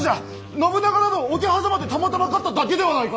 信長など桶狭間でたまたま勝っただけではないか！